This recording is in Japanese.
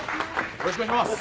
よろしくお願いします。